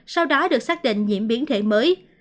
sau đó được xác định nhiễm biến thể mới